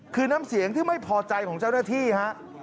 คือน้ำเสียงที่ไม่พอใจของเจ้าหน้าที่ฮะ